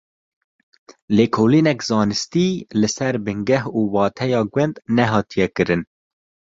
Lêkolîneke zanistî li ser bingeh û wateya gund nehatiye kirin.